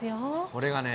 これがね。